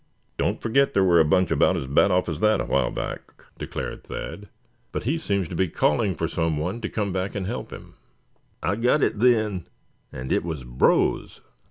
"Don't forget there were a bunch about as bad off as that, a while back," declared Thad; "but he seems to be calling for some one to come back and help him." "I got it then, and it was Brose!"